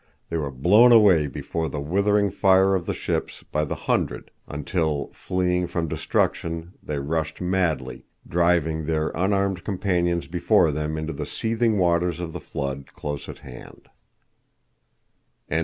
They were blown away before the withering fire of the ships by the hundred until, fleeing from destruction, they rushed madly, driving their unarmed companions before them into the seething waters of the flood close at hand.